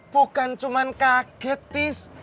bukan cuman kaget tis